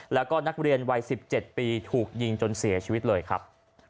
แล้วก็นักเรียนวัย๑๗ปีถูกยิงจนเสียชีวิตเลยครับ